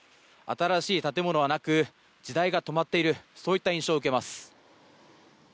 新しい建物はなく時代が止まっているそういった印象を受けます。